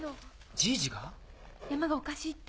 ジイジが⁉山がおかしいって。